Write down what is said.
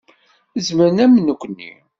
Zemren am nekni.